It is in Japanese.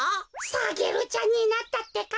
サゲルちゃんになったってか。